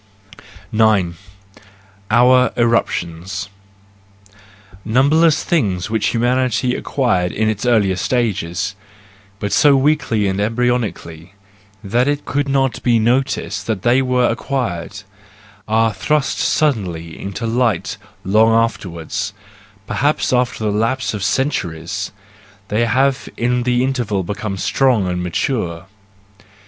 9 Our Eruptions .— Numberless things which humanity acquired in its earlier stages, but so weakly and embryonically that it could not be noticed that they were acquired, are thrust suddenly into light long afterwards, perhaps after the lapse of centuries: they have in the interval become strong and mature.